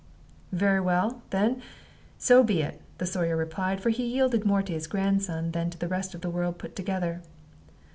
"Very well, then, so be it," the Sawyer replied; for he yielded more to his grandson than to the rest of the world put together.